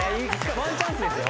ワンチャンスですよ。